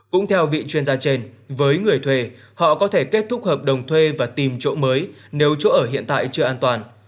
cũng theo vị chuyên gia trên với người thuê họ có thể kết thúc hợp đồng thuê và tìm chỗ mới nếu chỗ ở hiện tại chưa an toàn